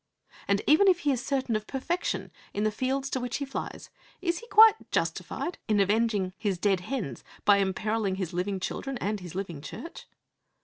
And, even if he is certain of perfection in the fields to which he flies, is he quite justified in avenging his dead hens by imperilling his living children and his living church?